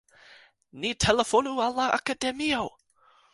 Ni telefonu al la Akademio!